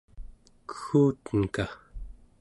keggutenka